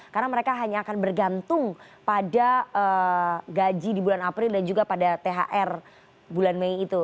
karena mereka hanya akan bergantung pada gaji di bulan april dan juga pada thr bulan mei itu